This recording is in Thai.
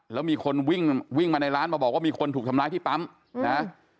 แล้วมีคนวิ่งวิ่งมาในร้านมาบอกว่ามีคนถูกทำร้ายที่ปั๊มนะ